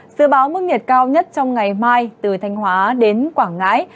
dự báo mức nhiệt cao nhất trong ngày mai từ thanh hóa đến quảng ngãi